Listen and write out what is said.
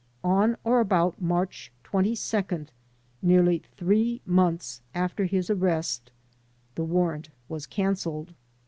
On or about March 22nd, nearly three months after his arrest, the warrant was cancelled.